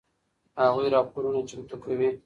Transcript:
هغوی راپورونه چمتو کوي.